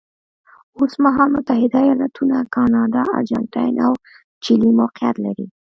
اوس مهال متحده ایالتونه، کاناډا، ارجنټاین او چیلي موقعیت لري.